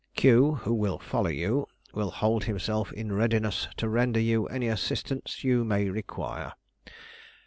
Q, who will follow you, will hold himself in readiness to render you any assistance you may require.